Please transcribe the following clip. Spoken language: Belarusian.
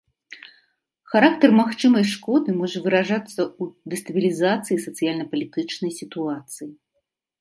Характар магчымай шкоды можа выражацца ў дэстабілізацыі сацыяльна-палітычнай сітуацыі.